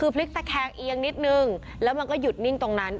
คือพลิกตะแคงเอียงนิดนึงแล้วมันก็หยุดนิ่งตรงนั้น